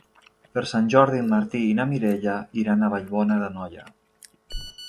Per Sant Jordi en Martí i na Mireia iran a Vallbona d'Anoia.